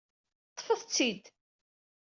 Ṭṭfet-it-id.